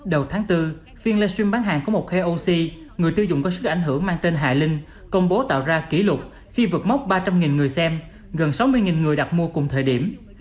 đầu tháng bốn phiên livestream bán hàng của một k oc người tiêu dùng có sức ảnh hưởng mang tên hà linh công bố tạo ra kỷ lục khi vượt mốc ba trăm linh người xem gần sáu mươi người đặt mua cùng thời điểm